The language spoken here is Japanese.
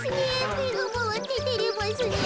めがまわっててれますねえ。